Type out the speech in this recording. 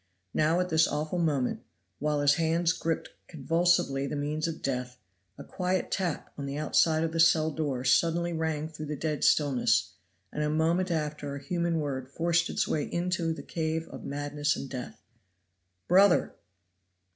Now at this awful moment, While his hands griped convulsively the means of death, a quiet tap on the outside of the cell door suddenly rang through the dead stillness, and a moment after a human word forced its way into the cave of madness and death "BROTHER!"